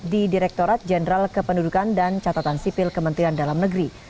di direktorat jenderal kependudukan dan catatan sipil kementerian dalam negeri